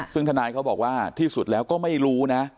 ซึ่งทนายเขาบอกว่าที่สุดแล้วก็ไม่รู้นะ